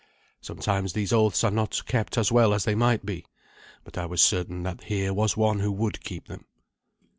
Sometimes these oaths are not kept as well as they might be, but I was certain that here was one who would keep them.